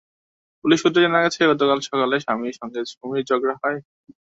Police সূত্রে জানা গেছে, গতকাল সকালে স্বামীর সঙ্গে সুমির ঝগড়া হয়।